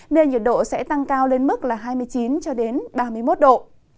nền nhiệt độ sẽ tăng cao lên mức hai mươi chín ba mươi một độ